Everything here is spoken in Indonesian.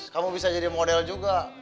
kamu bisa jadi model juga